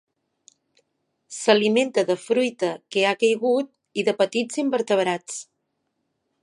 S'alimenta de fruita que ha caigut i de petits invertebrats.